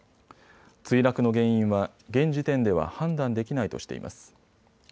墜落の原因は現時点では判断できないとしています。